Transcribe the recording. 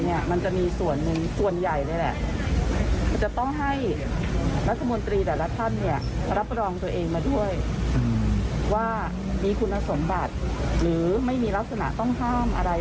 ยังไม่ได้ตรวจสอบคุณสมบัติหรือส่วนใหญ่